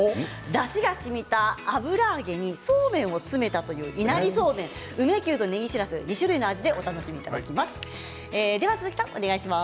だしがしみた油揚げにそうめんを詰めた、いなりそうめん、梅きゅうとねぎしらすの２種類の味でお楽しみいただきます。